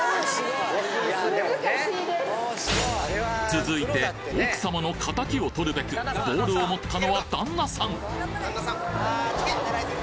続いて奥さまのカタキをとるべくボールを持ったのは旦那さん